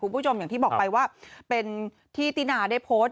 คุณผู้ชมอย่างที่บอกไปว่าเป็นที่ตินาได้โพสต์